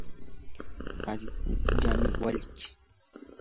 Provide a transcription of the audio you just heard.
allquullami walkii.